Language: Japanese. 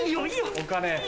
お金。